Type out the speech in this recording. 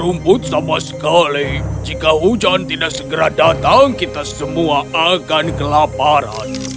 rumput sama sekali jika hujan tidak segera datang kita semua akan kelaparan